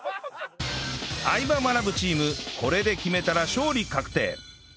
相葉マナブチームこれで決めたら勝利確定